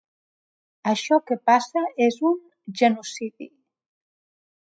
Això que passa és un genocidi.